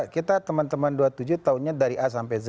kita teman teman dua puluh tujuh tahunnya dari a sampai z